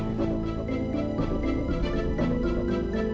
kalau aku liat